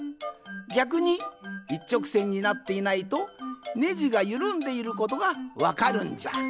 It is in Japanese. ぎゃくにいっちょくせんになっていないとネジがゆるんでいることがわかるんじゃ。